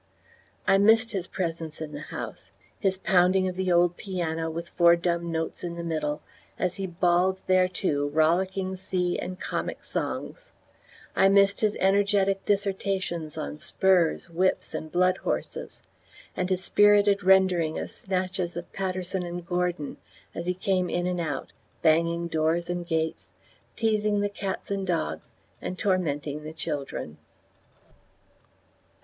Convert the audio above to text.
I missed his presence in the house, his pounding of the old piano with four dumb notes in the middle, as he bawled thereto rollicking sea and comic songs; I missed his energetic dissertations on spurs, whips, and blood horses, and his spirited rendering of snatches of Paterson and Gordon, as he came in and out, banging doors and gates, teasing the cats and dogs and tormenting the children.